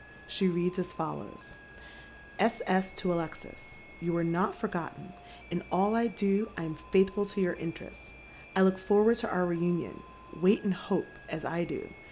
She reads as follows :—" S. S. to Alexis. You are not forgotten. In all I do I am faithfiil to your interests. I look forward to our reunion. Wait and hope, as I do.